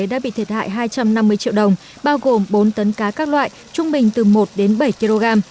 đã bị thiệt hại hai trăm năm mươi triệu đồng bao gồm bốn tấn cá các loại trung bình từ một đến bảy kg